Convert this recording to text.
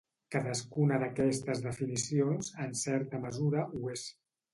Cadascuna d'aquestes definicions, en certa mesura, ho és.